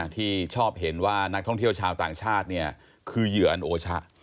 ที่ชอบเห็นว่านักท่องเที่ยวชาวต่างชาติคือเหยื่ออันโอชะ